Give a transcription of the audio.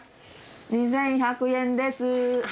２，１００円です。